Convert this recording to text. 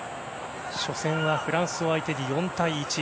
初戦はフランスを相手に４対１。